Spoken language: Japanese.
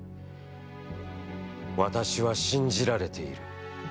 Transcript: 私は、信じられている。